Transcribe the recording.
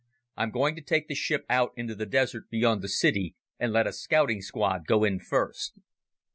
I'm going to take the ship out into the desert beyond the city and let a scouting squad go in first."